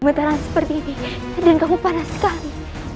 meteran seperti ini dan kamu panas sekali